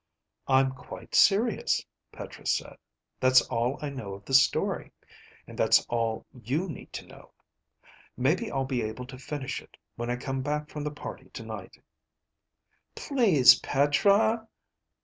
"I'm quite serious," Petra said. "That's all I know of the story. And that's all you need to know. Maybe I'll be able to finish it when I come back from the party tonight." "Please, Petra